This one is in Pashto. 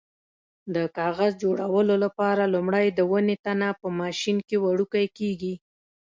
د کاغذ جوړولو لپاره لومړی د ونې تنه په ماشین کې وړوکی کېږي.